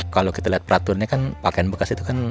kalau kita lihat peraturannya kan pakaian bekas itu kan